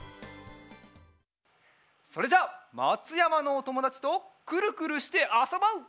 それじゃあまつやまのおともだちとくるくるしてあそぼう！